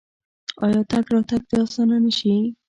آیا تګ راتګ دې اسانه نشي؟